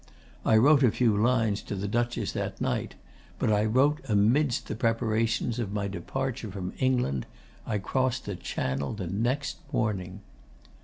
I wrote a few lines to the Duchess that night; but I wrote amidst the preparations for my departure from England: I crossed the Channel next morning.